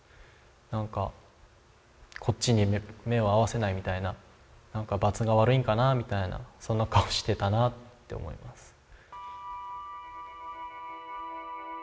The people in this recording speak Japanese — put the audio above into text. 何かこっちに目を合わせないみたいな何かばつが悪いんかなみたいなそんな顔をしてたなって思います。